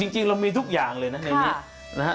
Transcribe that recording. จริงเรามีทุกอย่างเลยนะในนี้นะฮะ